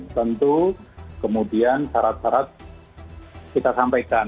tentu kemudian syarat syarat kita sampaikan